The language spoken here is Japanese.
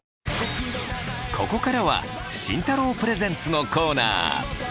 ここからは慎太郎プレゼンツのコーナー。